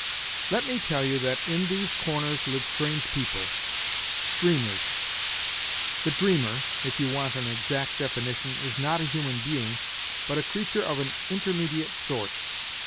Let me tell you that in these corners live strange people dreamers. Thedreamtr if you want an exact definition is not a human T>emg7but a creature of an intermediate sort.